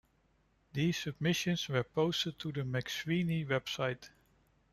These submissions were posted to the McSweeney website.